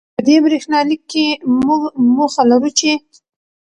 په دې برېښنالیک کې، موږ موخه لرو چې